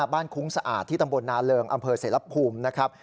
คุ้งสะอาดที่ตำบลนาเริงอำเภอเสรภูมินะครับ